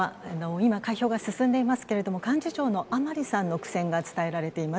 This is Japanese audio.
今、開票が進んでいますけれども、幹事長の甘利さんの苦戦が伝えられています。